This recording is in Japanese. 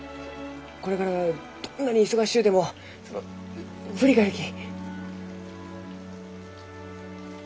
これからはどんなに忙しゅうてもその振り返るき。